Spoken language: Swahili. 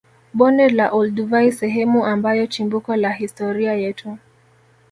Bonde la olduvai sehemu ambayo chimbuko la historia yetu